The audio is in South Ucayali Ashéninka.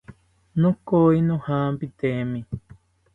Nokoyi nojampitemi